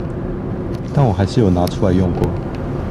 但我還是有拿出來用過